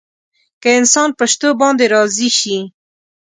که انسان په شتو باندې راضي شي.